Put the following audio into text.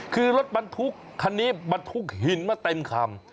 คือรถบรรทุกคันนี้บรรทุกหินมาเต็มคำ